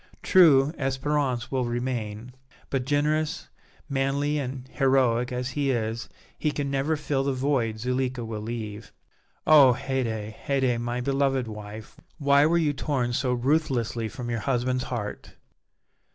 True, Espérance will remain, but, generous, manly and heroic as he is, he can never fill the void Zuleika will leave. Oh! Haydée, Haydée, my beloved wife, why were you torn so ruthlessly from your husband's heart!"